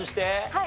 はい。